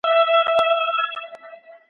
د افغان په نوم لیکلی بیرغ غواړم `